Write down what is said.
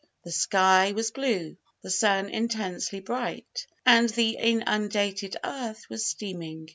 The sky was blue, the sun intensely bright, and the inundated earth was steaming.